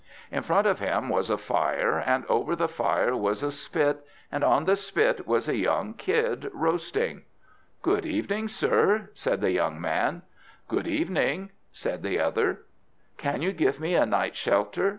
In front of him was a fire, and over the fire was a spit, and on the spit was a young kid roasting. "Good evening, sir," said the young man. "Good evening," said the other. "Can you give me a night's shelter?"